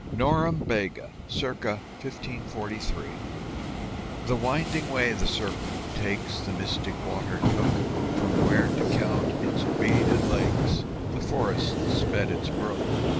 NOREMBEGA [c. 1543] The winding way the serpent takes The mystic water took, From where, to count its beaded lakes, The forest sped its brook.